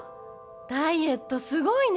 「ダイエット凄いね！」